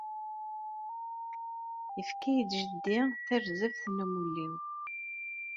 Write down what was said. Yefka-yi-d jeddi tarzeft n umuli-w.